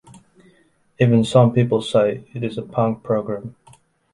Even some people say it is a "punk" program.